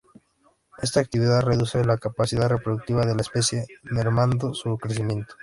Esta actividad reduce la capacidad reproductiva de la especie, mermando su crecimiento.